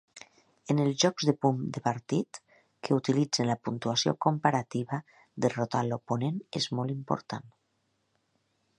En els jocs de punt de partit, que utilitzen la puntuació comparativa, derrotar l'oponent és molt important.